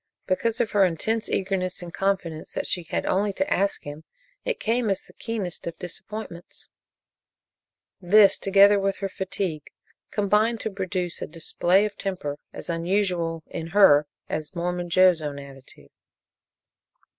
Because of her intense eagerness and confidence that she had only to ask him, it came as the keenest of disappointments. This together with her fatigue combined to produce a display of temper as unusual in her as Mormon Joe's own attitude.